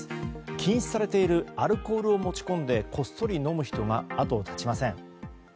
禁止されているアルコールを持ち込んでこっそり飲む人が後を絶ちません。